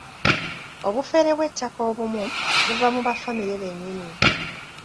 Obufere bw'ettaka obumu buva mu ba ffamire bennyini.